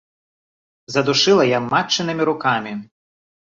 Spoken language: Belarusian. Задушыла я матчынымі рукамі.